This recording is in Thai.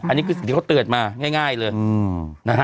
อันนี้คือสิ่งที่เขาเตือนมาง่ายเลยนะฮะ